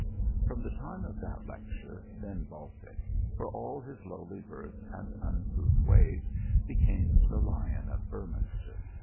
From the time of that lecture, Ben Baltic, for all his lowly birth and uncouth ways, became the lion of Beorminster.